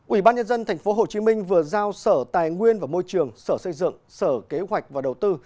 ủy ban nhân dân tp hcm vừa giao sở tài nguyên và môi trường sở xây dựng sở kế hoạch và đầu tư